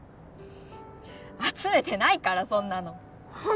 集めてないからそんなの